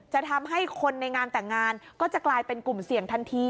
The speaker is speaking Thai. จะทำให้คนในงานแต่งงานก็จะกลายเป็นกลุ่มเสี่ยงทันที